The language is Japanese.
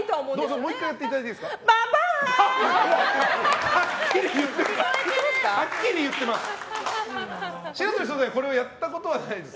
もう１回やってもらっていいですか。